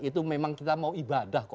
itu memang kita mau ibadah kok